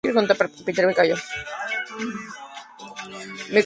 Esta debe aparecer en los estatutos sociales.